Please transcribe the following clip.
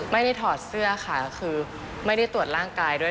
ถอดเสื้อค่ะคือไม่ได้ตรวจร่างกายด้วย